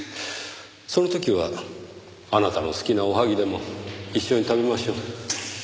その時はあなたの好きなおはぎでも一緒に食べましょう。